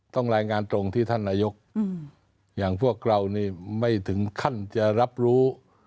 รายงานตรงที่ท่านนายกอย่างพวกเรานี่ไม่ถึงขั้นจะรับรู้